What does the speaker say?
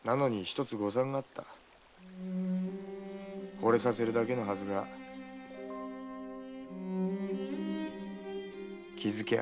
惚れさせるだけのはずが気づきゃ